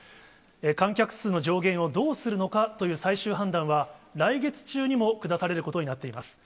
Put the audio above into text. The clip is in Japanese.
観客数の上限をどうするのかという最終判断は、来月中にも下されることになっています。